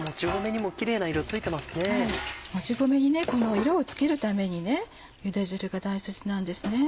もち米に色を付けるためにゆで汁が大切なんですね。